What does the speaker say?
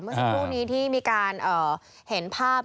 รูปนี้ที่มีการเห็นภาพ